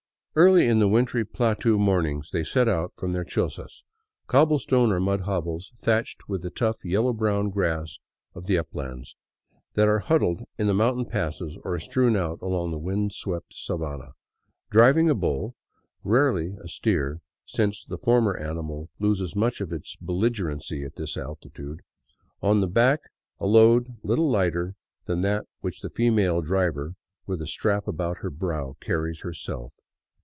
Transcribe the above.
Early in the wintry plateau mornings they set out from their chozas, cobblestone or mud hovels thatched with the tough yellow brown grass of the uplands, that are huddled in the mountain passes or strewn out along the windswept sabana, driving a bull — rarely a steer, since the former animal loses much of his belligerency at this altitude — on its back a load little larger than that which the female driver, with a strap about her brow, carries herself.